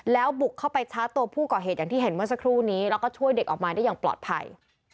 แล้วบุกเข้าไปชาร์จตัวผู้ก่อเหตุอย่างที่เห็นเมื่อสักครู่นี้แล้วก็ช่วยเด็กออกมาได้อย่างปลอดภัย